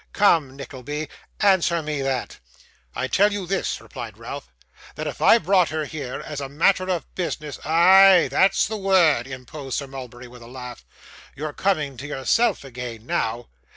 Come, Nickleby, answer me that.' 'I tell you this,' replied Ralph, 'that if I brought her here, as a matter of business ' 'Ay, that's the word,' interposed Sir Mulberry, with a laugh. 'You're coming to yourself again now.